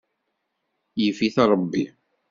Yif-it Ṛebbi.